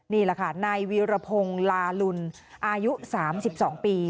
นี่แหละค่ะนายวิรพงศ์ลาหลุนอายุสามสิบสองปี